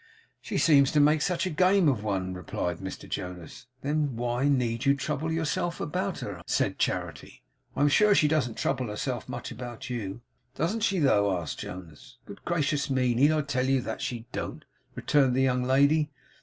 'She seems to make such game of one,' replied Mr Jonas. 'Then why need you trouble yourself about her?' said Charity. 'I am sure she doesn't trouble herself much about you.' 'Don't she though?' asked Jonas. 'Good gracious me, need I tell you that she don't?' returned the young lady.